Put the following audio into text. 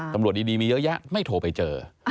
ตำรวจดีมีเยอะแยะไม่โทรไปเจอ